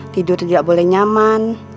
tidur tidak boleh nyaman